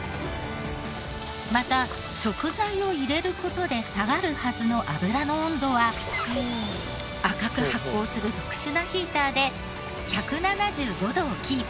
また食材を入れる事で下がるはずの油の温度は赤く発光する特殊なヒーターで１７５度をキープ。